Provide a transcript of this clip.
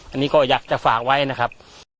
อันนี้ก็อยากจะฝากไว้นะครับ